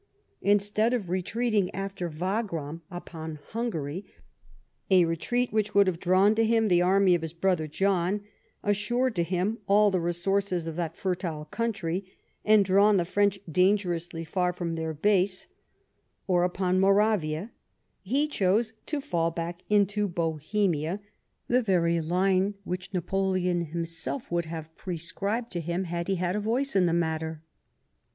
Instead of retreating, after Wagram, upon Hungary — a retreat which would have drawn to him the army of his brother John, assured to him all the resources of that fertile country, and drawn the French dangerously far from their base — or upon Moravia, he chose to fall back into Bohemia, the very line which Napoleon himself would have prescribed to him had he had a voice in the matter.